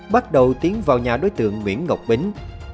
bắt đầu tiến vào nhà đối tượng nguyễn ngọc bính